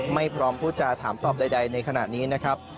ไม่พร้อมพูดจาถามตอบใดในขณะนี้นะครับ